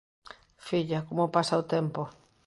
filla, como pasa o tempo.